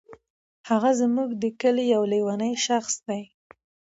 هغه زمونږ دي کلې یو لیونی شخص دی.